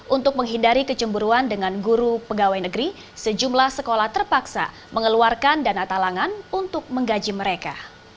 untuk menghindari kecemburuan dengan guru pegawai negeri sejumlah sekolah terpaksa mengeluarkan dana talangan untuk menggaji mereka